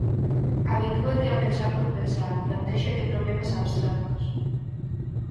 Habitúate a pensar por pensar, plantéxate problemas abstractos.